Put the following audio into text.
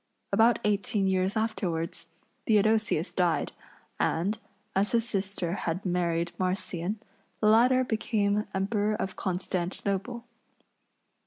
About eighteen years afterwards Theodosius died, and, as his sister had married Marcian, the latter became Emperor of Constantinople.